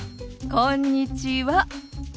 こんにちは。